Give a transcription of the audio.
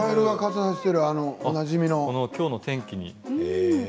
きょうの天気に。